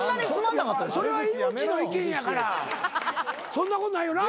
そんなことないよな？